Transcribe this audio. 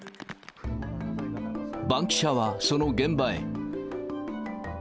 バンキシャはその現場へ。